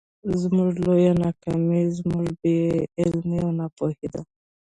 زموږ لويه ناکامي زموږ بې علمي او ناپوهي ده.